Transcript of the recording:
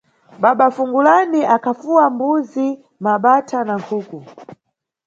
Baba Fungulani akhafuwa mbuzi, mabatha na nkhuku.